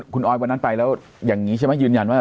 คุณออยวันนั้นไปแล้วอย่างนี้ใช่ไหมยืนยันว่า